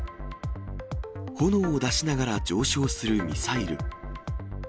炎を出しながら、上昇するミサイル。